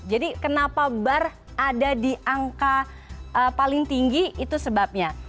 jadi kenapa bar ada di angka paling tinggi itu sebabnya